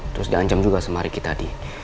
terus dia ancam juga sama riki tadi